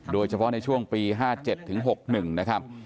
โดยเฉพาะในช่วงปี๕๗ถึง๖๑นะครับ